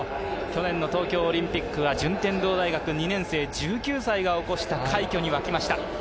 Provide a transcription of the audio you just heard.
去年の東京オリンピック順天堂大学２年生１９歳が起こした快挙に沸きました。